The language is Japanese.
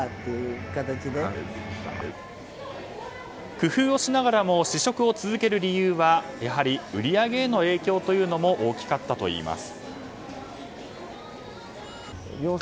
工夫をしながらも試食を続ける理由はやはり売り上げへの影響というのも大きかったといいます。